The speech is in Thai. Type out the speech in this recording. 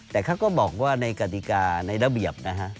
แต่เขาก็บอกว่าในกฎิกาในระเบียบนะฮะ